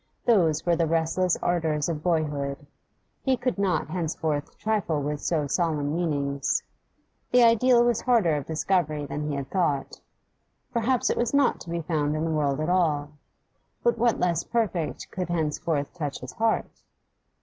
Those were the restless ardours of boyhood: he could not henceforth trifle so with solemn meanings. The ideal was harder of discovery than he had thought; perhaps it was not to be found in the world at all. But what less perfect could henceforth touch his heart?